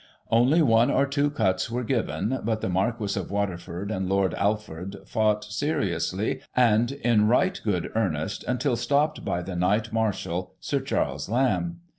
Only one or two cuts were given, but the Marquis of Water ford and Lord Alford fought seriously, and in right good earnest, until stopped by the Knight Marshal, Sir Charles Lamb.